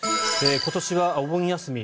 今年はお盆休み